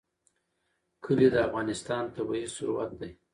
کلي د افغانستان طبعي ثروت دی.